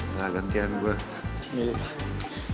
gak gantian gue